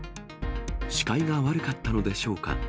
視界が悪かったのでしょうか。